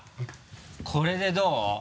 これでどう？